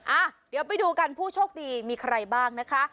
อ่ะเดี๋ยวไปดูกันผู้โชคดีมีใครบ้างนะคะ